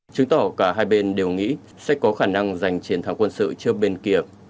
chứng tỏ cả hai bên đều nghĩ sẽ có khả năng giành chiến thắng quân sự trước bên kia